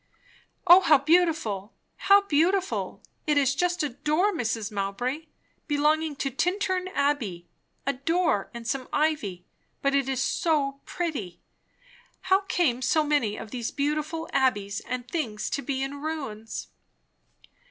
"O how beautiful, how beautiful! It is just a door, Mrs. Mowbray, belonging to Tintern abbey, a door and some ivy; but it is so pretty! How came so many of these beautiful abbeys and things to be in ruins?"